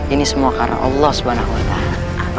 ini semua karena allah subhanahu wa ta'ala